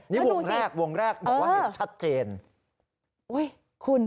นี่วงแรกบอกว่าเห็นชัดเจน